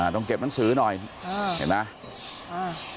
ต้องเก็บหนังสือหน่อยเห็นไหม